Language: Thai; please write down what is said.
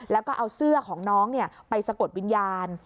แล้วก็เอาเสื้อของน้องไปสะกดวิญญาณ